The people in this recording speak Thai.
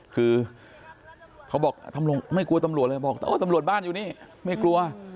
เขาบอกไม่กลัวตำรวจเลยเบาขึ้นว่าตำรวจบ้านอยู่นี่ไม่กลัว